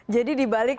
jadi di balik